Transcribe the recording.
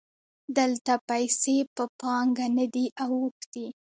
دلته پیسې په پانګه نه دي اوښتي